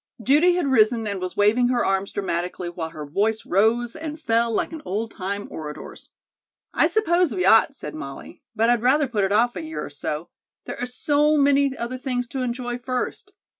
Judy had risen and was waving her arms dramatically while her voice rose and fell like an old time orator's. "I suppose we ought," said Molly; "but I'd rather put it off a year or so. There are so many other things to enjoy first.